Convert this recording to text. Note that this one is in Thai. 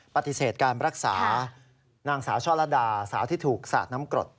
ปฏิเสธการรักษานางสาวช่อละดาสาวที่ถูกสาดน้ำกรด